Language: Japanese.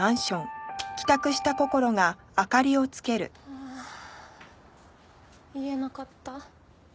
はあ言えなかった。